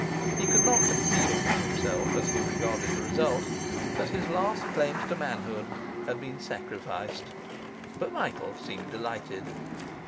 He could not conceal from himself, as he regarded the result, that his last claims to manhood had been sacrificed, but Michael seemed delighted.